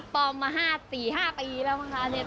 ปลอมมา๔๕ปีแล้วครับ